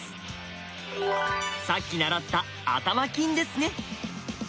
さっき習った頭金ですね。